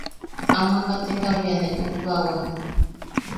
Ama kateka bea ne ubbawa.